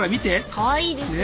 かわいいです。